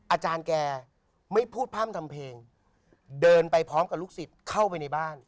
อาจารย์แกไม่พูดพร่ำทำเพลงเดินไปพร้อมกับลูกศิษย์เข้าไปในบ้าน